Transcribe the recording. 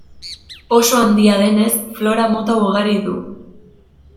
Oso handia denez, flora mota ugari du.